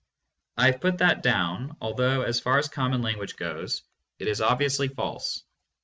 Definition. I have put that down although, as far as common lan guage goes, it is obviously false.